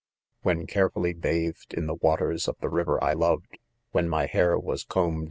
'.When .carefully bathed in the waters of the liver I loved,, when my hair, was combed